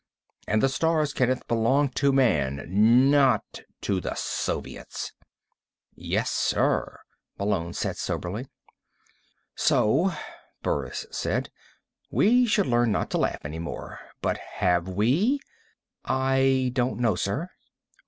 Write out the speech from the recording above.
And the stars, Kenneth, belong to Man not to the Soviets!" "Yes, sir," Malone said soberly. "So," Burris said, "we should learn not to laugh any more. But have we?" "I don't know, sir."